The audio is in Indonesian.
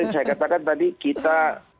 saya katakan tadi kita